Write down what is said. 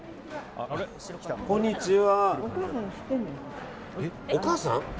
こんにちは。